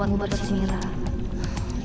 kalau cerita lain buat bersih